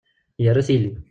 Yerra tili.